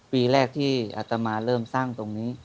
ปีแรกที่อัตมาเริ่มสร้างตรงนี้